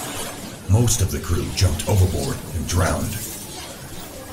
Most of the crew jumped overboard and drowned.